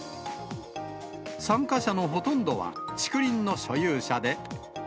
参加者のほとんどは竹林の所有者で。